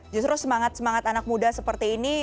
justru semangat semangat anak muda seperti ini